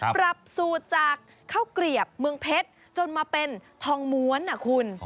ปรับสูตรจากข้าวเกลียบเมืองเพชรจนมาเป็นทองม้วนนะคุณ